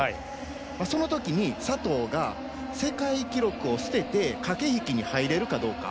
そのときに、佐藤が世界記録を捨てて駆け引きに入れるかどうか。